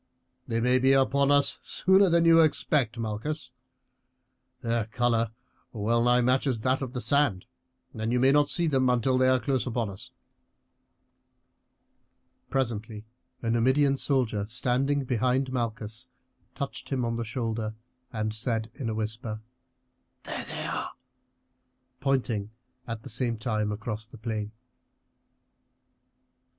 "They may be upon us sooner than you expect, Malchus. Their colour well nigh matches with that of the sand, and you may not see them until they are close upon us." Presently a Numidian soldier standing behind Malchus touched him on the shoulder and said in a whisper: "There they are!" pointing at the same time across the plain.